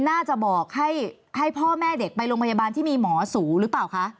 น่าจะบอกให้พ่อแม่เด็กไปโรงพยาบาลที่มีหมอสูหรือเปล่าคะ